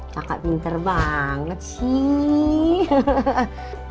kakak pinter banget sih